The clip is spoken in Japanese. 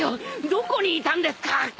どこにいたんですか？